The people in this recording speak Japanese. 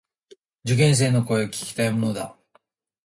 受験生の声を聞きたいものだ。